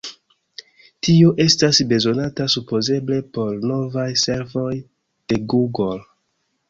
Tio estas bezonata supozeble por novaj servoj de Google.